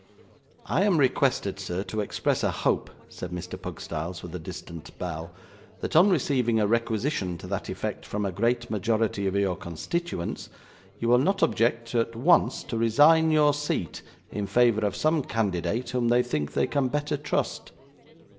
'I am requested, sir, to express a hope,' said Mr. Pugstyles, with a distant bow, 'that on receiving a requisition to that effect from a great majority of your constituents, you will not object at once to resign your seat in favour of some candidate whom they think they can better trust.